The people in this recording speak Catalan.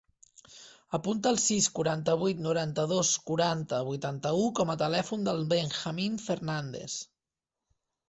Apunta el sis, quaranta-vuit, noranta-dos, quaranta, vuitanta-u com a telèfon del Benjamín Fernandes.